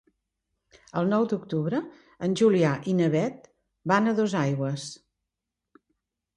El nou d'octubre en Julià i na Beth van a Dosaigües.